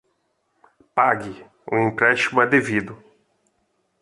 Pague, o empréstimo é devido.